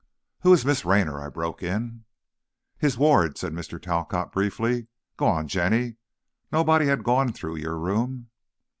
"Who is Miss Raynor?" I broke in. "His ward," said Mr. Talcott, briefly. "Go on, Jenny; nobody had gone through your room?"